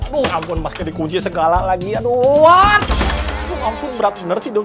lupa pun masih dikunci segala lagi aduh